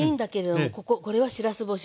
これはしらす干し？